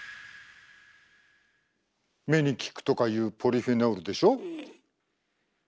目に効くとかいうポリフェノールでしょ？